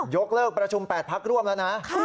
ยกเลิกประชุม๘พักร่วมแล้วนะ